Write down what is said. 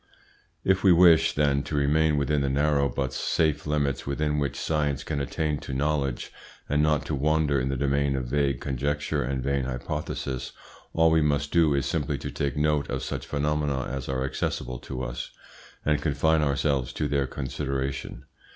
If we wish, then, to remain within the narrow but safe limits within which science can attain to knowledge, and not to wander in the domain of vague conjecture and vain hypothesis, all we must do is simply to take note of such phenomena as are accessible to us, and confine ourselves to their consideration.